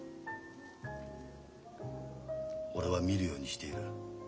俺は見るようにしている。